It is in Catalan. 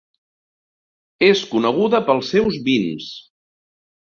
És coneguda pels seus vins.